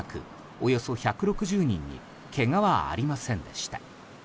およそ１６０人にけがはありませんでした。